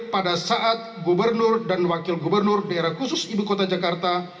pada saat gubernur dan wakil gubernur daerah khusus ibu kota jakarta